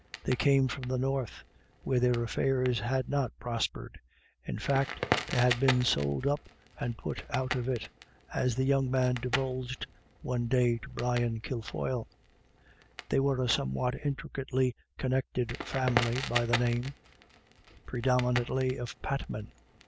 They came from the north, where their affairs had not prospered ; in fact, they had been " sold up 288 IRISH IDYLLS. and put out of it/' as the young man divulged one day to Brian Kilfoyle. They were a somewhat intricately connected family, by the name, predom inantly, of Patman.